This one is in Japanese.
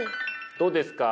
どうですか？